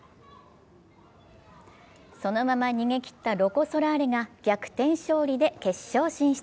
そのまま逃げきったロコ・ソラーレが逆転勝利で決勝進出。